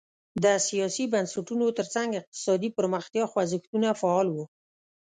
د سیاسي بنسټونو ترڅنګ اقتصادي پرمختیا خوځښتونه فعال وو.